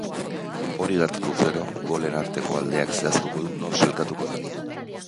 Hori gertatuz gero, golen arteko aldeak zehaztuko du nor sailkatuko den.